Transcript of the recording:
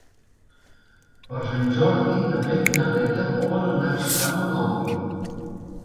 Per Sant Jordi na Beth i na Greta volen anar a visitar mon oncle.